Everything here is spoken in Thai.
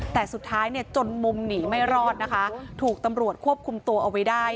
แต่สุดท้ายเนี่ยจนมุมหนีไม่รอดนะคะถูกตำรวจควบคุมตัวเอาไว้ได้